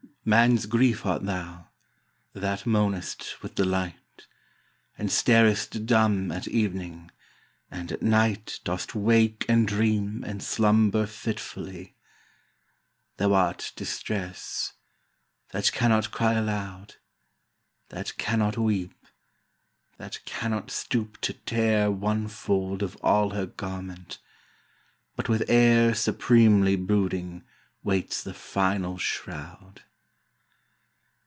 Man's Grief art thou, that moanest with the light, And starest dumb at evening — and at night Dost wake and dream and slumber fitfully ! Thou art Distress — ^that cannot cry alou<^ That cannot weep, that cannot stoop to tear One fold of all her garment, but with air Supremely brooding waits the final shroud